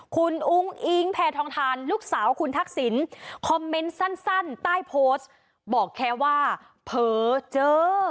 คุณอุ้งอิงแพทองทานลูกสาวคุณทักษิณคอมเมนต์สั้นใต้โพสต์บอกแค่ว่าเผลอเจอ